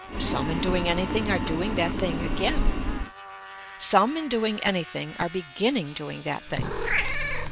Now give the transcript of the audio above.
Some in doing anything are doing that thing again. Some in doing anything are beginning doing that thing.